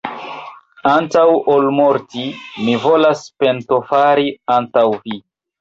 antaŭ ol morti, mi volas pentofari antaŭ vi!